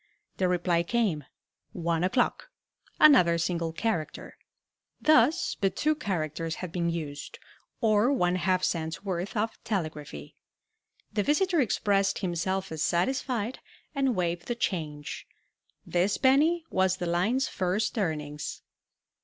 The reply came, "One o'clock," another single character. Thus but two characters had been used, or one half cent's worth of telegraphy. The visitor expressed himself as satisfied, and waived the "change." This penny was the line's first earnings.